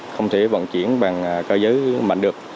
không thể vận chuyển bằng gây giới mạnh được